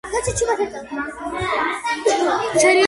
სერიამ დიდი მოწონება არ დაიმსახურა და არხმა შეაჩერა პროექტი.